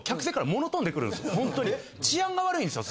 治安が悪いんですよ